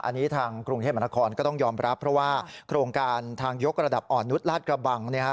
อันนี้ทางกรุงเทพมหานครก็ต้องยอมรับเพราะว่าโครงการทางยกระดับอ่อนนุษย์ลาดกระบัง